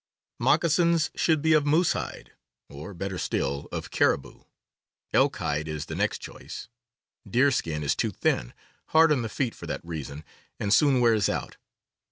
Moccasins should be of moose hide, or, better still, of caribou. Elk hide is the next choice. Deerskin is too thin, hard on the feet for that reason, and soon wears out.